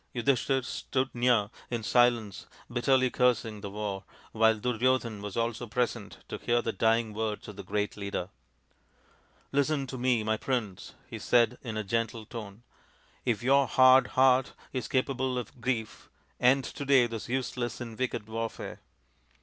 Yudhishthir stood near in silence bitterly cursing the war, while Duryodhan was also present to hear the dying words of the great leader. " Listen to me, my prince," he said in a gentle tone. THE FIVE TALL SONS OF PANDU 107 " If your hard heart is capable of grief, end to day this useless and wicked warfare.